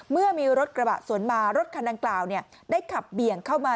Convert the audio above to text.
เมื่อมีรถกระบะสวนมารถคันดังกล่าวได้ขับเบี่ยงเข้ามา